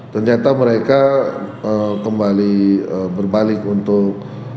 ternyata mereka kembali berbalik untuk